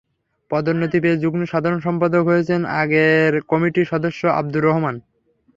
পদোন্নতি পেয়ে যুগ্ম সাধারণ সম্পাদক হয়েছেন আগের কমিটির সদস্য আবদুর রহমান।